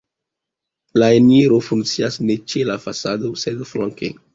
La enirejo funkcias ne ĉe la fasado, sed flanke.